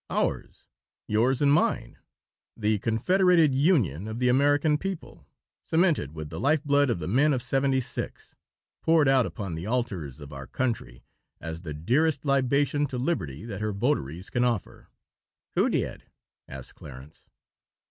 "Ours yours and mine; the confederated union of the American people, cemented with the life blood of the men of '76 poured out upon the altars of our country as the dearest libation to liberty that her votaries can offer." "Who did?" asked Clarence.